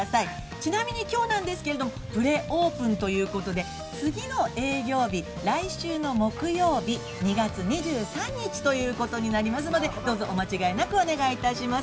ちなみにきょうなんですけれども、プレオープンということで、次の営業日、来週の木曜日、２月２３日ということになりますので、どうぞお間違いなくお願いします。